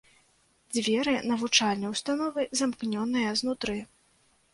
Дзверы навучальнай установы замкнёныя знутры.